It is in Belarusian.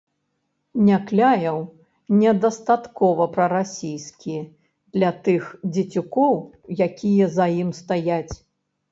Някляеў недастаткова прарасійскі для тых дзецюкоў, якія за ім стаяць.